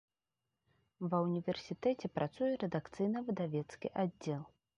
Ва ўніверсітэце працуе рэдакцыйна-выдавецкі аддзел.